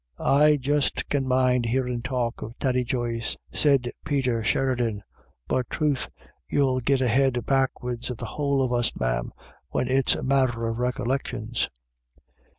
" I just can mind hearin' talk of Thady Joyce," said Peter Sheridan, "but troth, you'll git ahead backwards of the whole of us, ma'am, when it's a matter of recollections."